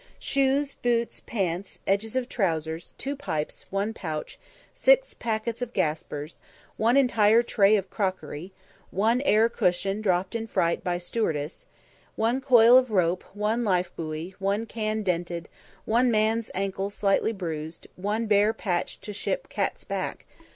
"Shoes, boots, pants, edges of trousers; two pipes, one pouch, six packets of gaspers; one entire tray of crockery; one air cushion dropped in fright by stewardess; one coil of rope, one life buoy, one tin can dented, one man's ankles slightly bruised; one bare patch to ship's cat's back.